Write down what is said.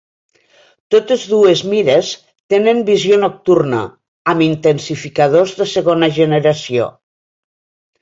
Totes dues mires tenen visió nocturna, amb intensificadors de segona generació.